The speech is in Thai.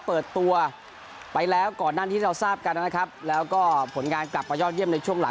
เปิดตัวไปแล้วก่อนหน้าที่เราทราบกันนะครับแล้วก็ผลงานกลับมายอดเยี่ยมในช่วงหลัง